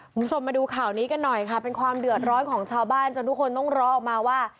คุณผู้ชมมาดูข่าวนี้กันหน่อยค่ะเป็นความเดือดร้อนของชาวบ้านจนทุกคนต้องรอออกมาว่า